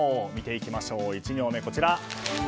見ていきましょう、１行目こちら。